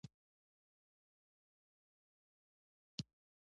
هغه د خپلې څېرې له امله کار تر لاسه نه کړ.